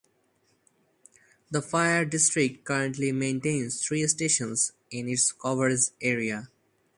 The fire district currently maintains three stations in its coverage area.